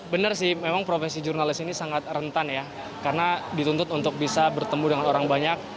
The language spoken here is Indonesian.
benar sih memang profesi jurnalis ini sangat rentan ya karena dituntut untuk bisa bertemu dengan orang banyak